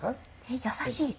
え優しい！